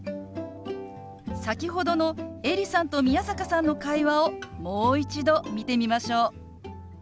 先ほどのエリさんと宮坂さんの会話をもう一度見てみましょう。